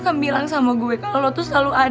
kamu seperti yang itu ya itu kapten